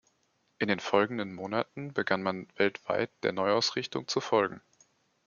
In den folgenden Monaten begann man weltweit, der Neuausrichtung zu folgen.